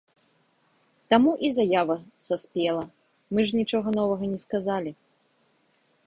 Таму і заява саспела, мы ж нічога новага не сказалі.